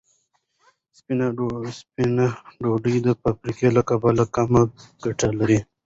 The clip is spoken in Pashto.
سپینه ډوډۍ د فایبر له کبله کمه ګټه لري.